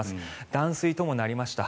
断水ともなりました。